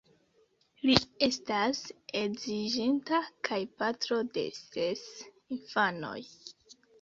Li estas edziĝinta kaj patro de ses infanoj.